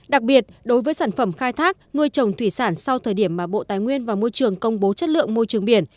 đặc biệt đối với sản phẩm khai thác nuôi trồng thủy sản sau thời điểm mà bộ tài nguyên và môi trường công bố chất lượng môi trường biển